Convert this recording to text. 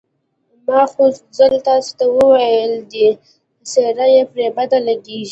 ما څو ځل تاسې ته ویلي دي، څېره یې پرې بده لګېږي.